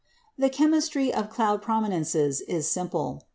] The chemistry of "cloud prominences" is simple.